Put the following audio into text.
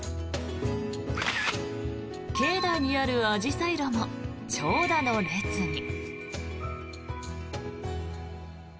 境内にある、あじさい路も長蛇の列に。